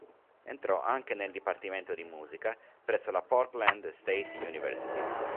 Entrò anche nel dipartimento di musica presso la Portland State University.